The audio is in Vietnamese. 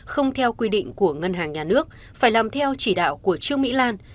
không theo quy định của ngân hàng nhà nước phải làm theo chỉ đạo của trương mỹ lan